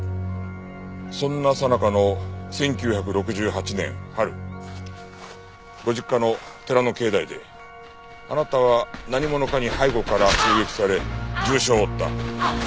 そんなさなかの１９６８年春ご実家の寺の境内であなたは何者かに背後から襲撃され重傷を負った。